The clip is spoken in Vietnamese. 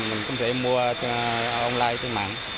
mình cũng sẽ mua online trên mạng